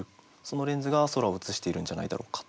そのレンズが空を映しているんじゃないだろうか。